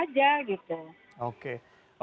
kalau seperti itu yang harus kita lakukan